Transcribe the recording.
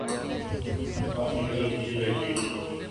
آپ سے مل کر خوشی ہوئی